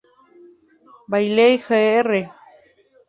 Bailey Jr.